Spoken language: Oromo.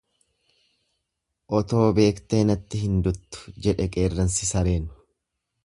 Otoo beektee natti hin duttu jedhe qeerransi sareen.